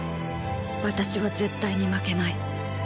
私は絶対に負けない。